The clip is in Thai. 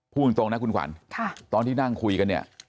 พูดตรงนะคุณขวัญตอนที่นั่งคุยกันเนี่ย